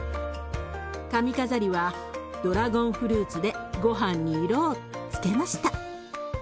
髪飾りはドラゴンフルーツでごはんに色をつけました。